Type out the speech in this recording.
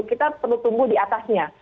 kita perlu tumbuh di atasnya